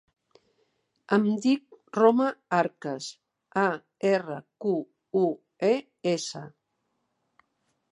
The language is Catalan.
Em dic Roma Arques: a, erra, cu, u, e, essa.